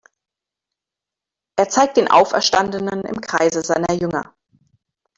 Er zeigt den Auferstandenen im Kreise seiner Jünger.